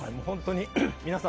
皆さん